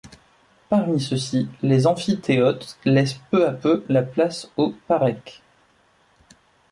Parmi ceux-ci, les emphytéotes laissent peu à peu la place aux parèques.